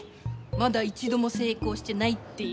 まだ一度もせいこうしてないっていう。